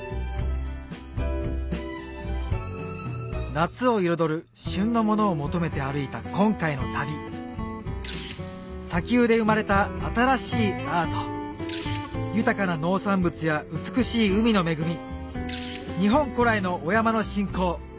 夏を彩る旬のものを求めて歩いた今回の旅砂丘で生まれた新しいアート豊かな農産物や美しい海の恵み日本古来のお山の信仰